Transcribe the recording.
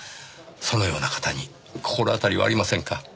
そのような方に心当たりはありませんか？